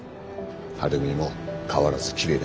晴美も変わらずきれいだし。